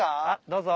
どうぞ。